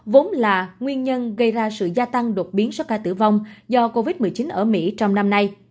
vốn là nguyên nhân gây ra sự gia tăng đột biến số ca tử vong do covid một mươi chín ở mỹ trong năm nay